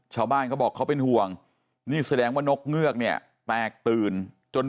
เขาบอกเขาเป็นห่วงนี่แสดงว่านกเงือกเนี่ยแตกตื่นจน